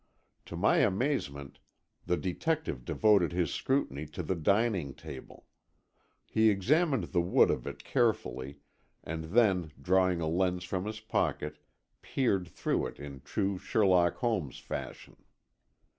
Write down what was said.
To my amazement, the detective devoted his scrutiny to the dining table. He examined the wood of it carefully and then drawing a lens from his pocket peered through it in true Sherlock Holmes fashion.